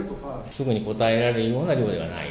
すぐに答えられるような量ではない。